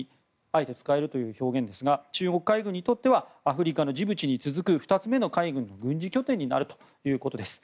あえて使えるという表現ですが中国海軍にとってはアフリカのジブチに続く２つ目の海軍の軍事拠点になるということです。